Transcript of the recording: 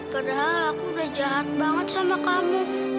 padahal aku udah jahat banget sama kamu